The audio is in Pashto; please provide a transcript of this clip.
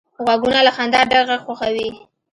غوږونه له خندا ډک غږ خوښوي